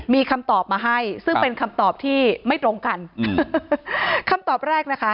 มีคำตอบมาให้ซึ่งเป็นคำตอบที่ไม่ตรงกันอืมคำตอบแรกนะคะ